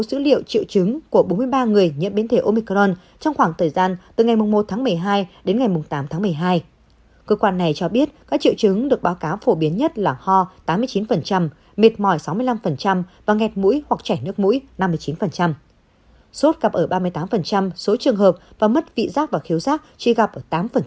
sốt gặp ở ba mươi tám số trường hợp và mất vị giác và khiếu giác chỉ gặp ở tám